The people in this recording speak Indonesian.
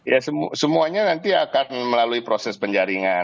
ya semuanya nanti akan melalui proses penjaringan